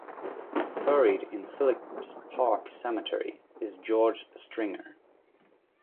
Buried in Philips Park cemetery is George Stringer.